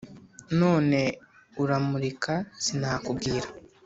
none uramurika sinakubwira”